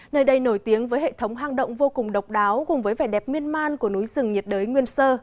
nơi đây nổi tiếng với hệ thống hang động vô cùng độc đáo cùng với vẻ đẹp miên man của núi sông